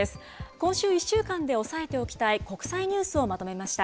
今週１週間で押さえておきたい国際ニュースをまとめました。